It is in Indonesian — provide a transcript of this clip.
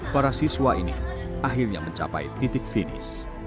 para siswa ini akhirnya mencapai titik finish